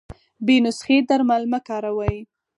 بې نسخي درمل مه کاروی